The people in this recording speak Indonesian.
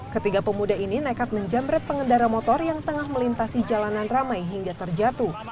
ketiga pemuda ini nekat menjamret pengendara motor yang tengah melintasi jalanan ramai hingga terjatuh